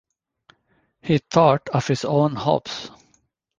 He thought of his own hopes.